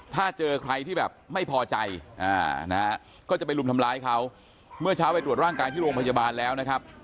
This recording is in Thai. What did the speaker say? ถ้าเจอใครที่แบบไม่พอใจนะฮะก็จะไปรุมทำร้ายเขาเมื่อเช้าไปตรวจร่างกายที่โรงพยาบาลแล้วนะครับ